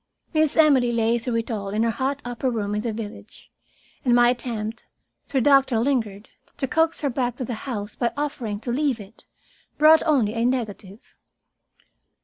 Miss Emily lay through it all in her hot upper room in the village, and my attempt, through Doctor Lingard, to coax her back to the house by offering to leave it brought only a negative.